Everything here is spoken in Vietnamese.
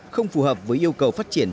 không phù hợp với yêu cầu phát triển